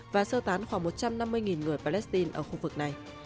và sơ tán khoảng một trăm năm mươi người palestine ở khu vực này